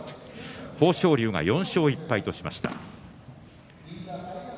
豊昇龍が４勝１敗としました。